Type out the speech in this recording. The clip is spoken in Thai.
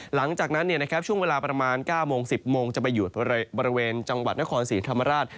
หลังจากนั้นช่วงเวลาประมาณ๙โมง๑๐โมงจะไปอยู่บริเวณจังหวัดนครศรีธรรมราช